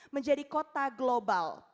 menjadi kota global